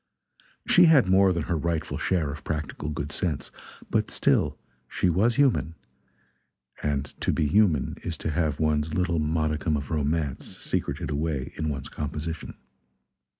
She had more than her rightful share of practical good sense, but still she was human; and to be human is to have one's little modicum of romance secreted away in one's composition.